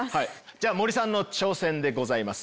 じゃあ森さんの挑戦でございます。